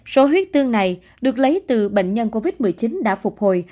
số huyết tương này được lấy từ bệnh nhân covid một mươi chín đã phục hồi